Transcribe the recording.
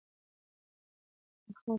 احمد خیل ولسوالۍ غرنۍ ده؟